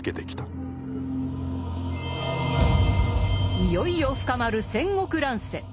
いよいよ深まる戦国乱世。